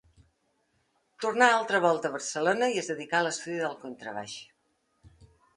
Tornà altra volta a Barcelona i es dedicà a l'estudi del contrabaix.